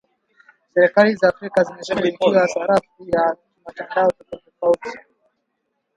Serikali za Afrika zimeshughulikia sarafu ya kimtandao tofauti tofauti